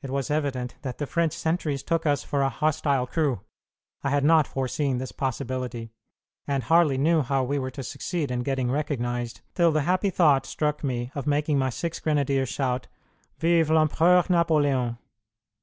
It was evident that the French sentries took us for a hostile crew. I had not foreseen this possibility, and hardly knew how we were to succeed in getting recognized, till the happy thought struck me of making my six grenadiers shout "Vive l'Empereur Napoléon!"